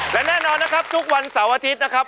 และแน่นอนนะครับทุกวันเสาร์อาทิตย์นะครับ